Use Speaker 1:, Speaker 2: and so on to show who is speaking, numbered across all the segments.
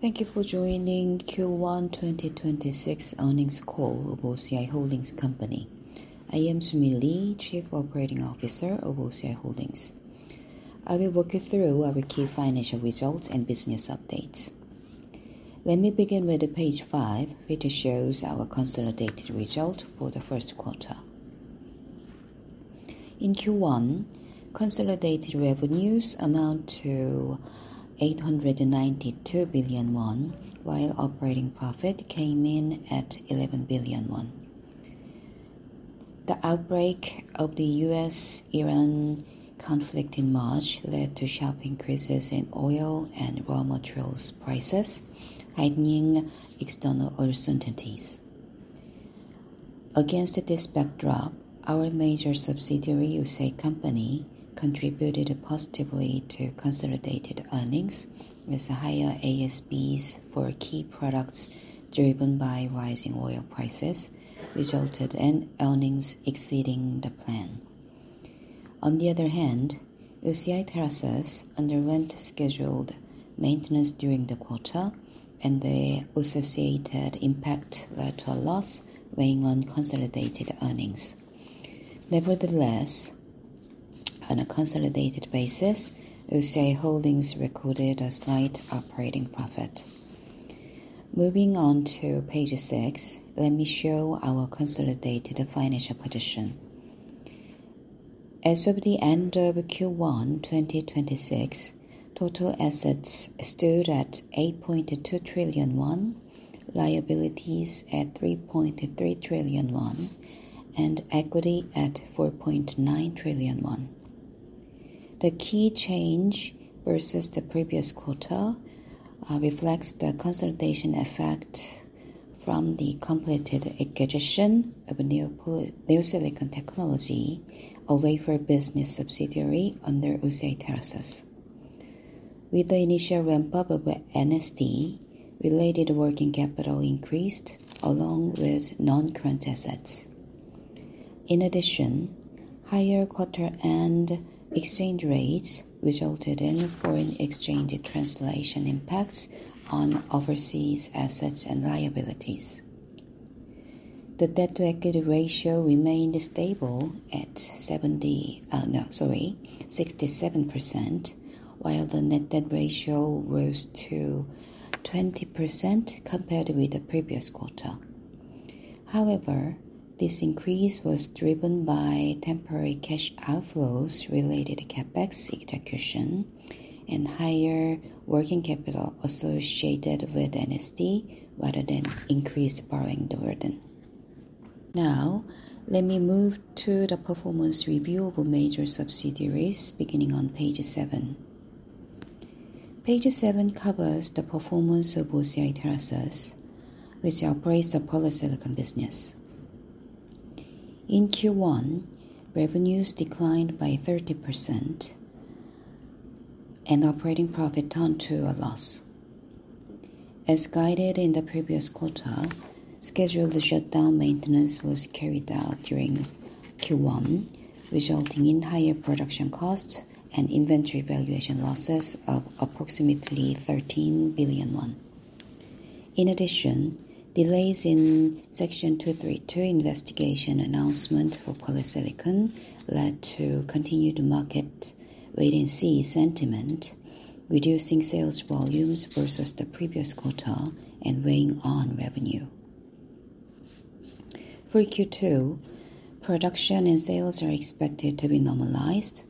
Speaker 1: Thank you for joining Q1 2026 earnings call of OCI Holdings Company. I am Su Mi Lee, Chief Operating Officer of OCI Holdings. I will walk you through our key financial results and business updates. Let me begin with page five, which shows our consolidated results for the first quarter. In Q1, consolidated revenues amount to 892 billion won, while operating profit came in at 11 billion won. The outbreak of the U.S.-Iran conflict in March led to sharp increases in oil and raw materials prices, heightening external uncertainties. Against this backdrop, our major subsidiary, OCI Company, contributed positively to consolidated earnings with higher ASPs for key products driven by rising oil prices, resulting in earnings exceeding the plan. On the other hand, OCI TerraSus underwent scheduled maintenance during the quarter, and the associated impact led to a loss weighing on consolidated earnings. Nevertheless, on a consolidated basis, OCI Holdings recorded a slight operating profit. Moving on to page six, let me show our consolidated financial position. As of the end of Q1 2026, total assets stood at 8.2 trillion won, liabilities at 3.3 trillion won, and equity at 4.9 trillion won. The key change versus the previous quarter reflects the consolidation effect from the completed acquisition of NeoSilicon Technology, a wafer business subsidiary under OCI TerraSus. With the initial ramp-up of NST, related working capital increased along with non-current assets. In addition, higher quarterly and exchange rates resulted in foreign exchange translation impacts on overseas assets and liabilities. The debt-to-equity ratio remained stable at 67%, while the net debt ratio rose to 20% compared with the previous quarter. However, this increase was driven by temporary cash outflows related to CapEx execution and higher working capital associated with NST, rather than increased borrowing burden. Now, let me move to the performance review of major subsidiaries beginning on page seven. Page seven covers the performance of OCI TerraSus, which operates the polysilicon business. In Q1, revenues declined by 30% and operating profit turned to a loss. As guided in the previous quarter, scheduled shutdown maintenance was carried out during Q1, resulting in higher production costs and inventory valuation losses of approximately 13 billion won. In addition, delays in Section 232 investigation announcement for polysilicon led to continued market wait-and-see sentiment, reducing sales volumes versus the previous quarter and weighing on revenue. For Q2, production and sales are expected to be normalized.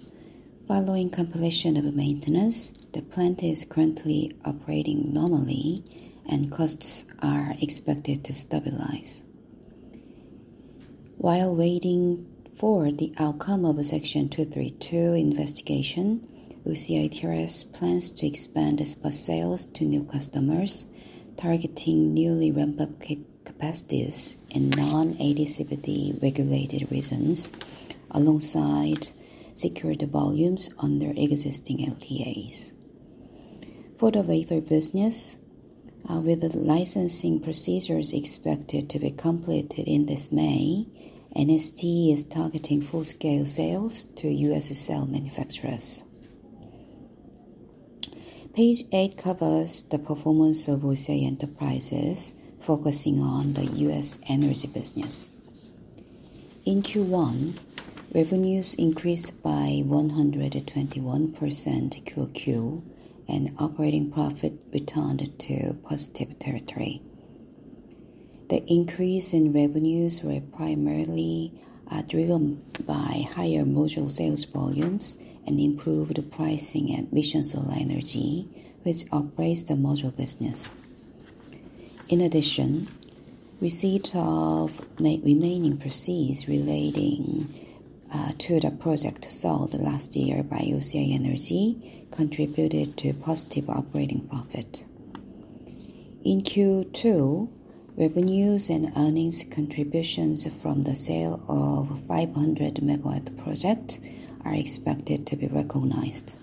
Speaker 1: Following completion of maintenance, the plant is currently operating normally and costs are expected to stabilize. While waiting for the outcome of a Section 232 investigation, OCI TerraSus plans to expand spot sales to new customers, targeting newly ramped-up capacities in non-ADCVD regulated regions alongside secured volumes under existing LTAs. For the wafer business, with the licensing procedures expected to be completed in this May, NST is targeting full-scale sales to U.S. cell manufacturers. Page eight covers the performance of OCI Enterprises, focusing on the U.S. energy business. In Q1, revenues increased by 121% QOQ, and operating profit returned to positive territory. The increase in revenues were primarily driven by higher module sales volumes and improved pricing at Mission Solar Energy, which operates the module business. In addition, receipt of remaining proceeds relating to the project sold last year by OCI Energy contributed to positive operating profit. In Q2, revenues and earnings contributions from the sale of a 500 MW project are expected to be recognized.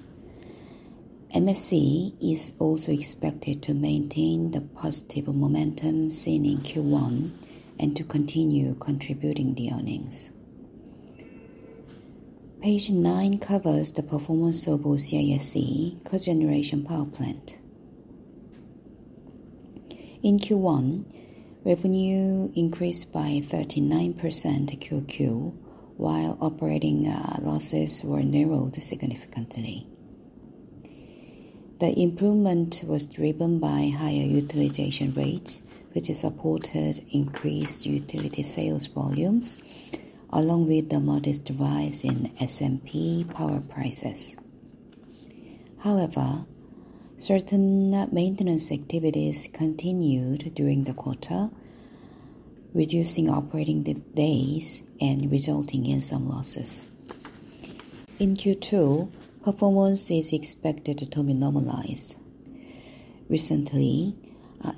Speaker 1: MSE is also expected to maintain the positive momentum seen in Q1 and to continue contributing to earnings. Page nine covers the performance of OCI SE cogeneration power plant. In Q1, revenue increased by 39% QOQ while operating losses were narrowed significantly. The improvement was driven by higher utilization rates, which supported increased utility sales volumes along with a modest rise in SMP power prices. However, certain maintenance activities continued during the quarter, reducing operating days and resulting in some losses. In Q2, performance is expected to be normalized. Recently,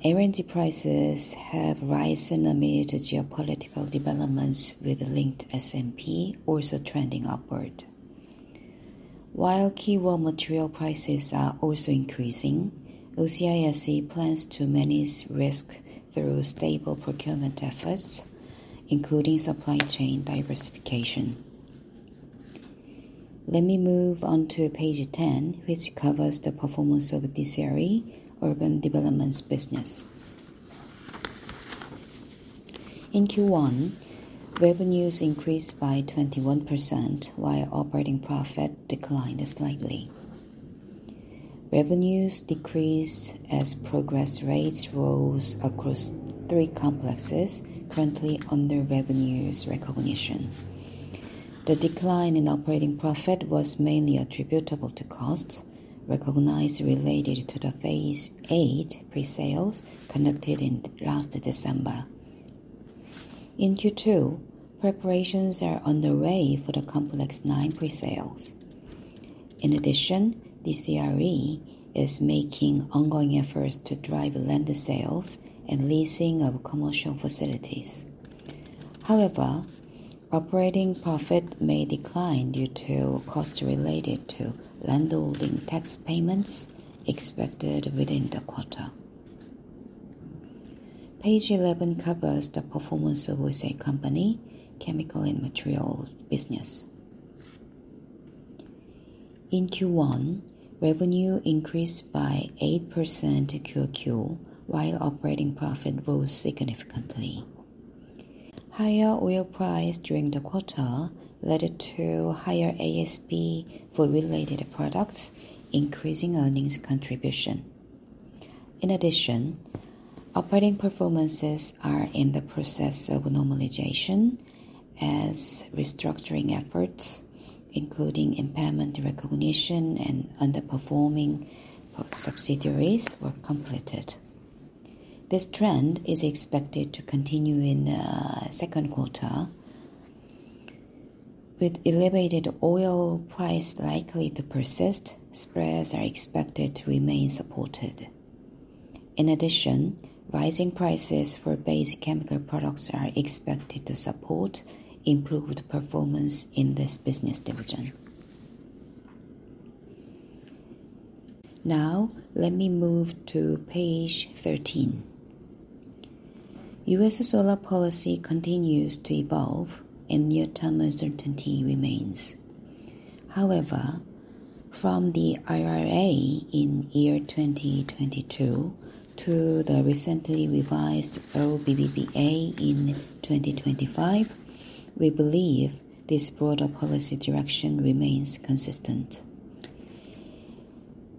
Speaker 1: LNG prices have risen amid geopolitical developments with linked SMP also trending upward. While key raw material prices are also increasing, OCI SE plans to manage risk through stable procurement efforts, including supply chain diversification. Let me move on to page 10, which covers the performance of DCRE, urban developments business. In Q1, revenues increased by 21% while operating profit declined slightly. Revenues decreased as progress rates rose across three complexes currently under revenue recognition. The decline in operating profit was mainly attributable to costs recognized related to the phase eight pre-sales conducted in last December. In Q2, preparations are underway for the complex nine pre-sales. In addition, DCRE is making ongoing efforts to drive land sales and leasing of commercial facilities. However, operating profit may decline due to costs related to landholding tax payments expected within the quarter. Page 11 covers the performance of OCI Company chemical and materials business. In Q1, revenue increased by 8% QoQ while operating profit rose significantly. Higher oil price during the quarter led to higher ASP for related products, increasing earnings contribution. In addition, operating performances are in the process of normalization as restructuring efforts, including impairment recognition and underperforming subsidiaries were completed. This trend is expected to continue in second quarter. With elevated oil price likely to persist, spreads are expected to remain supported. In addition, rising prices for basic chemical products are expected to support improved performance in this business division. Now, let me move to page 13. U.S. solar policy continues to evolve and near-term uncertainty remains. However, from the IRA in year 2022 to the recently revised OBBBA in 2025, we believe this broader policy direction remains consistent.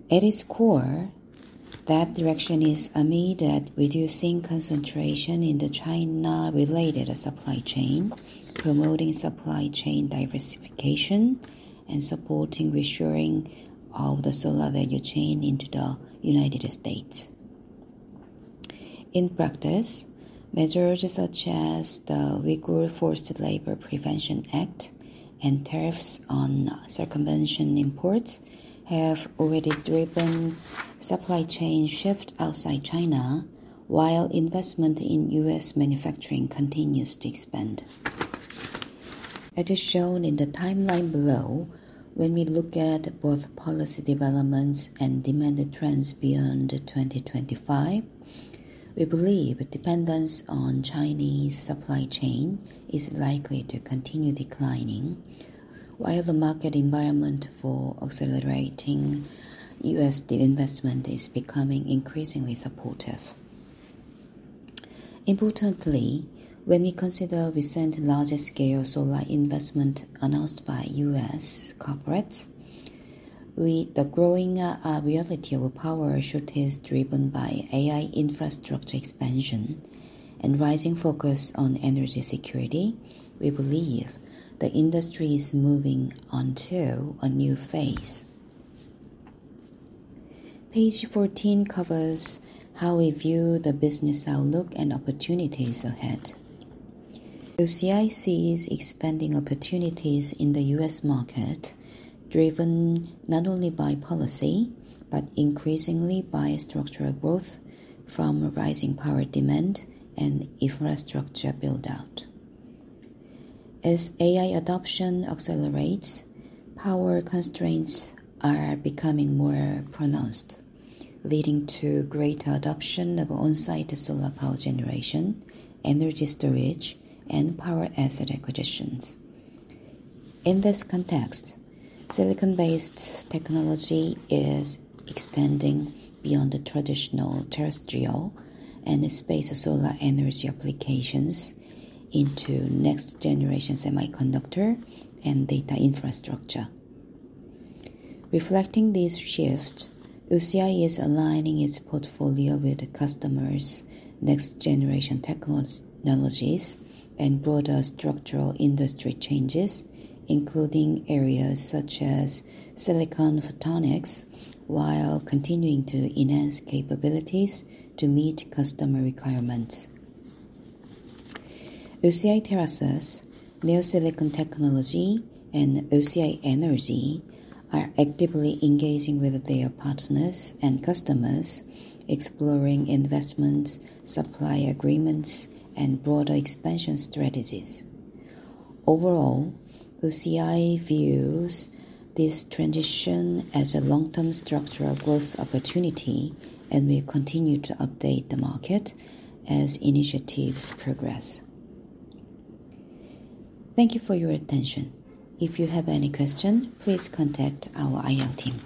Speaker 1: At its core, that direction is aimed at reducing concentration in the China-related supply chain, promoting supply chain diversification, and supporting reshoring of the solar value chain into the United States. In practice, measures such as the Uyghur Forced Labor Prevention Act and tariffs on circumvention imports have already driven supply chain shift outside China while investment in U.S. manufacturing continues to expand. As is shown in the timeline below, when we look at both policy developments and demand trends beyond 2025, we believe dependence on Chinese supply chain is likely to continue declining, while the market environment for accelerating U.S. investment is becoming increasingly supportive. Importantly, when we consider recent large scale solar investment announced by U.S. corporates, with the growing reality of a power shortage driven by AI infrastructure expansion and rising focus on energy security, we believe the industry is moving on to a new phase. Page 14 covers how we view the business outlook and opportunities ahead. OCI sees expanding opportunities in the U.S. market, driven not only by policy, but increasingly by structural growth from rising power demand and infrastructure build-out. As AI adoption accelerates, power constraints are becoming more pronounced, leading to greater adoption of on-site solar power generation, energy storage, and power asset acquisitions. In this context, silicon-based technology is extending beyond the traditional terrestrial and space solar energy applications into next generation semiconductor and data infrastructure. Reflecting these shifts, OCI is aligning its portfolio with the customer's next generation technologies and broader structural industry changes, including areas such as silicon photonics, while continuing to enhance capabilities to meet customer requirements. OCI TerraSus, NeoSilicon Technology, and OCI Energy are actively engaging with their partners and customers, exploring investments, supply agreements, and broader expansion strategies. Overall, OCI views this transition as a long-term structural growth opportunity and will continue to update the market as initiatives progress. Thank you for your attention. If you have any question, please contact our IR team.